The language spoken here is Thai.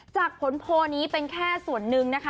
จากผลโพลนี้เป็นแค่ส่วนหนึ่งนะคะ